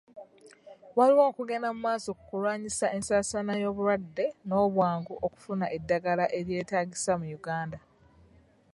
Waliwo okugenda mu maaso ku kulwanyisa ensaasaana y'obulwadde n'obwangu okufuna eddagala eryeetaagisa mu Uganda.